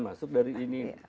masuk dari sini